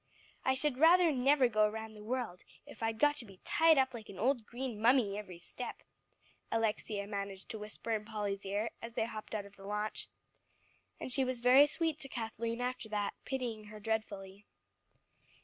"I should rather never go around the world, if I'd got to be tied up like an old green mummy every step," Alexia managed to whisper in Polly's ear as they hopped out of the launch. And she was very sweet to Kathleen after that, pitying her dreadfully.